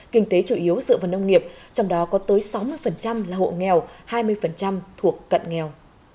kinh tế chủ yếu dựa vào nông nghiệp trong đó có tới sáu mươi là hộ nghèo hai mươi thuộc cận nghèo